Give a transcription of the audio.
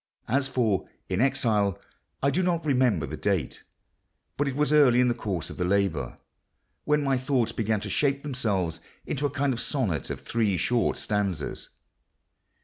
As for In Exile, I do not remember the date—but it was early in the course of the labour—when my thoughts began to shape themselves into a kind of sonnet of three short stanzas.